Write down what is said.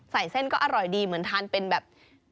ใส่เส้นก็อร่อยดีเหมือนทานเป็นแบบ